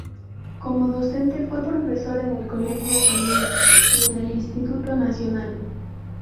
Como docente, fue profesor en el Colegio San Luis y en el Instituto Nacional.